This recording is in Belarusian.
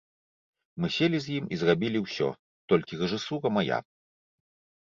Мы селі з ім і зрабілі ўсё, толькі рэжысура мая.